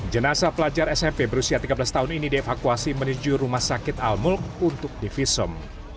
jenasa pelajar smp berusia tiga belas tahun ini dievakuasi menuju rumah sakit al mulk untuk divisum